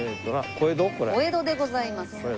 小江戸でございます。